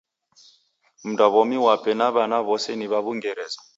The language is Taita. Mnduwaw'omi wape na w'ana w'ose ni w'a w'ungereza.